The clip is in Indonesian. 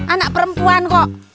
anak perempuan kok